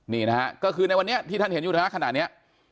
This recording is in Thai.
นี่นะฮะก็คือในวันนี้ที่ท่านเห็นอยู่นะฮะขณะนี้